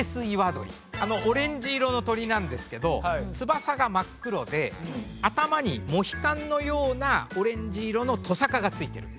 あのオレンジ色の鳥なんですけど翼が真っ黒で頭にモヒカンのようなオレンジ色のとさかがついてる。